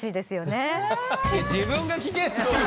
自分が聞けって。